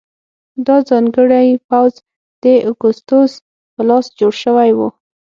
دا ځانګړی پوځ د اګوستوس په لاس جوړ شوی و.